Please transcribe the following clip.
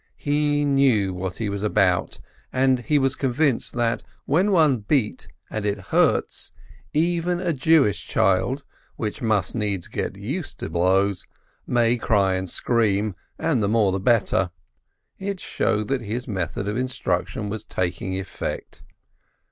He knew what he was about, and was convinced that, when one beats and it hurts, even a Jewish child (which must needs get used to blows) may cry and scream, and the more the better ; it showed that his method of instruction was taking effect.